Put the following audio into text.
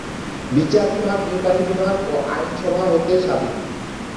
বিচার বিভাগ নির্বাহী বিভাগ ও আইনসভা হতে স্বাধীন।